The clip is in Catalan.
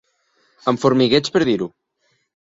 Amb formigueig per dir-ho.